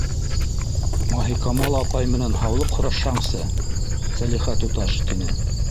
-Маһикамал апай менән һаулыҡ һорашһаңсы, Сәлихә туташ,- тине.